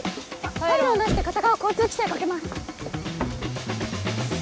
パイロン出して片側交通規制かけます。